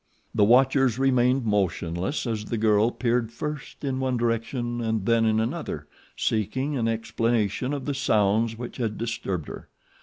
The watchers remained motionless as the girl peered first in one direction and then in another, seeking an explanation of the sounds which had disturbed her.